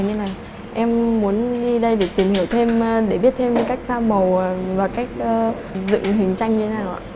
nên là em muốn đi đây để tìm hiểu thêm để biết thêm cách pha màu và cách dựng hình tranh như thế nào ạ